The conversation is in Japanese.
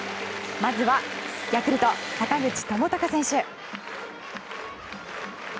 まずはヤクルト、坂口智隆選手。